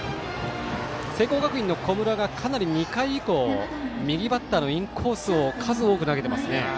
聖光学院の小室がかなり２回以降右バッターのインコースを数多く投げていますね。